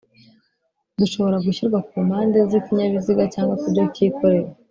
dushobora gushyirwa ku mpande z'ikinyabiziga cyangwa kubyo cyikoreye.